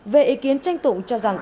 về ý kiến tranh tụng cho rằng